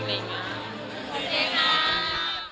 ขอบคุณครับ